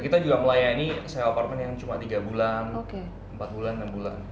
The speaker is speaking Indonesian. kita juga melayani self apartment yang cuma tiga bulan empat bulan enam bulan